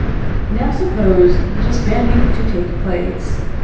Now, suppose the disbanding to take place.